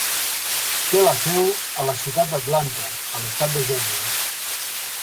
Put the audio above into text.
Té la seu a la ciutat d'Atlanta, a l'estat de Geòrgia.